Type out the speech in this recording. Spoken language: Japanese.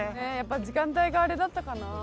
やっぱ時間帯があれだったかな。